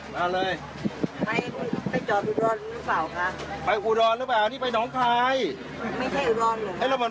มาเลย